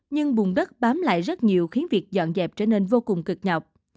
nhưng bùn đất bám lại rất nhiều khiến việc dọn dẹp trở nên vô cùng cực nhọc